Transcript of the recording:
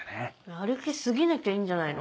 歩き過ぎなきゃいいんじゃないの？